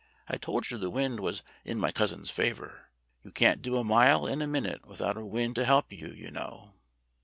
I told you the wind was in my cousin's favor. You can't do a mile in a minute without a wind to help you, you know."